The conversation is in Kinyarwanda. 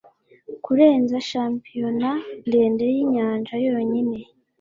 Kurenza shampiyona ndende yinyanja yonyine;